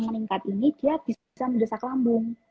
meningkat ini dia bisa mendesak lambung